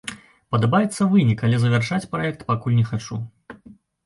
Падабаецца вынік, але завяршаць праект пакуль не хачу.